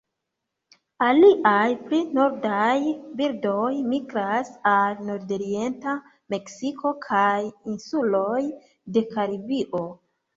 Aliaj pli nordaj birdoj migras al nordorienta Meksiko kaj insuloj de Karibio.